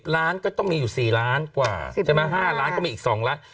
ล้านก็ต้องมีอยู่๔ล้านกว่าใช่ไหม๕ล้านก็มีอีก๒ล้าน